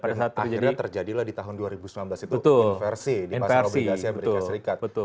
akhirnya terjadilah di tahun dua ribu sembilan belas itu inversi di pasar obligasi amerika serikat